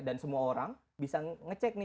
dan semua orang bisa ngecek nih